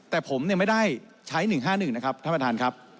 แต่ผมไม่ได้ใช้๑๕๑นะครับท่านประธานครับ